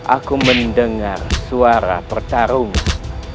aku mendengar suara pertarungan